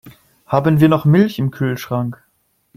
Haben wir noch Milch im Kühlschrank?